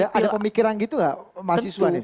ada pemikiran gitu nggak mahasiswa nih